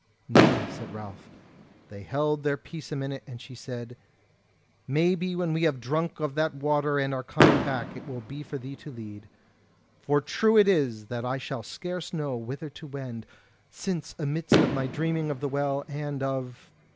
"Nay," said Ralph. They held their peace a minute, then she said: "Maybe when we have drunk of that Water and are coming back, it will be for thee to lead. For true it is that I shall scarce know whither to wend; since amidst of my dreaming of the Well, and of...